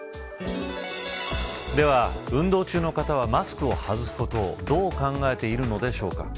では、運動中の方はマスクを外すことをどう考えているのでしょうか。